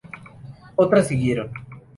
Otras siguieron.